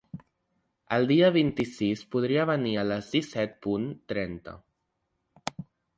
El dia vint-i-sis podria venir a les disset punt trenta